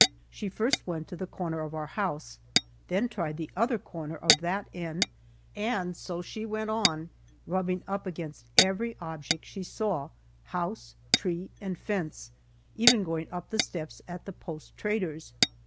She first went to the corner of our house, then tried the other corner of that end, and so she went on, rubbing up against every object she saw house, tree, and fence even going up the steps at the post trader's.